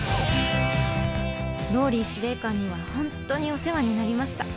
ＲＯＬＬＹ司令官には本当にお世話になりました。